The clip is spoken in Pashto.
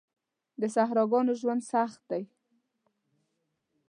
د صحراګانو ژوند سخت دی.